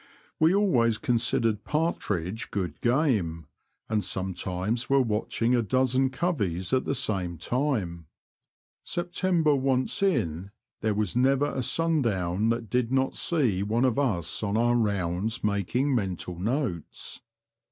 We always considered partridge good game, and sometimes were watching a dozen coveys The Confessions of a Poacher, 49 at the same time. September once in, there was never a sun down that did not see one of us on our rounds making mental notes.